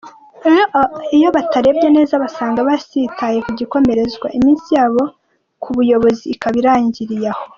Iyo batarebye neza basanga batsitaye kugikomerezwa, iminsi yabo k’Ubuyobozi ikaba irangiriye aho.